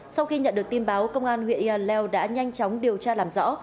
sau khi nhận được tin báo công an huyện yaleo đã nhanh chóng điều tra làm rõ